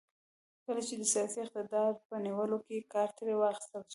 کله چې د سیاسي اقتدار په نیولو کې کار ترې واخیستل شي.